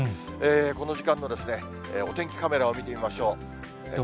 この時間のお天気カメラを見てみましょう。